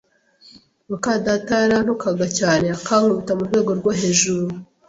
mukadata yarantukaga cyane akankubita mu rwego rwo hejuru